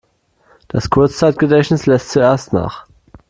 Das Kurzzeitgedächtnis lässt zuerst nach.